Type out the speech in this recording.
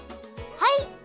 はい！